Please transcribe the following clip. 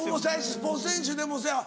スポーツ選手でもそやわ。